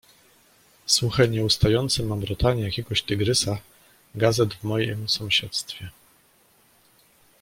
"Suche, nieustające mamrotanie jakiegoś tygrysa gazet w mojem sąsiedztwie."